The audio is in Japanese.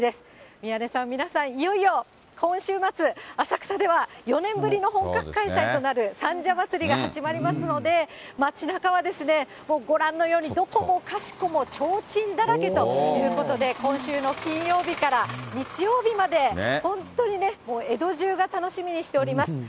宮根さん、皆さん、いよいよ今週末、浅草では４年ぶりの本格開催となる三社祭が始まりますので、街なかはですね、もうご覧のように、どこもかしこもちょうちんだらけということで、今週の金曜日から日曜日まで、本当にね、江戸中が楽しみにしています。